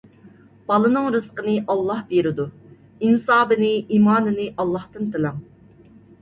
بالىنىڭ رىزقىنى ئاللاھ بېرىدۇ. ئىنسابىنى، ئىمانىنى ئاللاھتىن تىلەڭ.